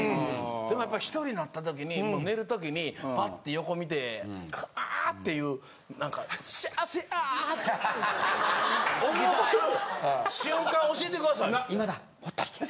でもやっぱり１人になった時に寝る時にパッて横見て「クッ！」っていう何か「幸せや！」って思う瞬間教えて下さい。